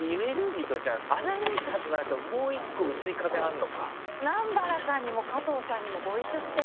ミトちゃんアナウンサーとなるともう１個薄い壁あるのか。